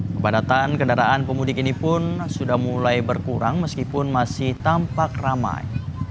kepadatan kendaraan pemudik ini pun sudah mulai berkurang meskipun masih tampak ramai